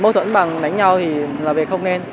mâu thuẫn bằng đánh nhau thì là về không nên